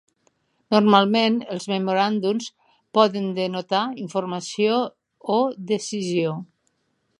Normalment, els memoràndums poden denotar "informació" o "decisió".